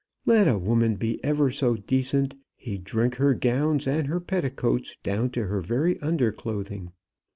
Let a woman be ever so decent, he'd drink her gowns and her petticoats, down to her very underclothing.